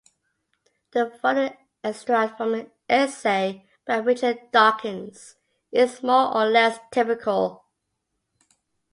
The following extract from an essay by Richard Dawkins is more or less typical.